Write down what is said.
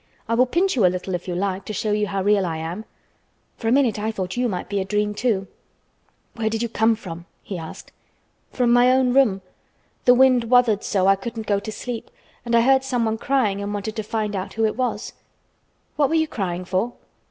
"I will pinch you a little if you like, to show you how real I am. For a minute I thought you might be a dream too." "Where did you come from?" he asked. "From my own room. The wind wuthered so I couldn't go to sleep and I heard someone crying and wanted to find out who it was. What were you crying for?"